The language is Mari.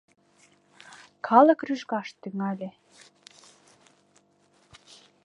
— Калык рӱжгаш тӱҥале.